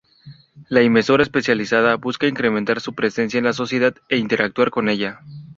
La emisora especializada busca incrementar su presencia en la sociedad e interactuar con ella.